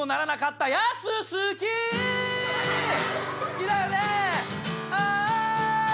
好きだよね。